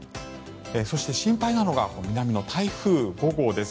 そして心配なのが南の台風５号です。